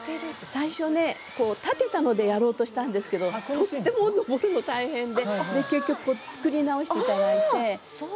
最初、立てたのでやろうとしたんですけど起きるのが大変で結局、作り直していただいて。